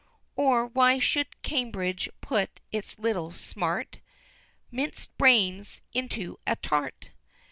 Or why should Cambridge put its little, smart, Minc'd brains into a Tart?